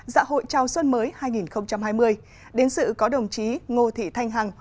dạ hội chào xuân mới hai nghìn hai mươi đến sự có đồng chí ngô thị thanh hằng